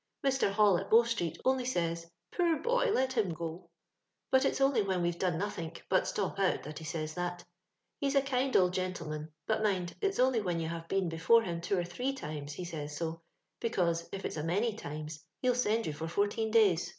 Mr. Hall, at Bow street, only says, • Poor boy, let him ga' But it's only when we've done nothink but stop out that he says that He's a kind old gentleman ; but mind, it's only when you have been before him two or three times he says so, because if it's a many times, he'll send you for fourteen days.